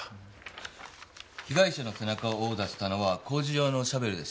被害者の背中を殴打したのは工事用のシャベルでした。